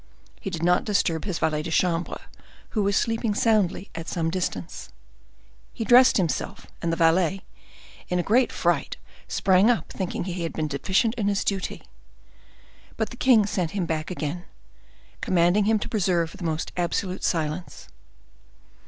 He did not disturb his valet de chambre, who was sleeping soundly at some distance; he dressed himself, and the valet, in a great fright, sprang up, thinking he had been deficient in his duty; but the king sent him back again, commanding him to preserve the most absolute silence.